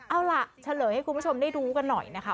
เอาล่ะเฉลยให้คุณผู้ชมได้ดูกันหน่อยนะคะ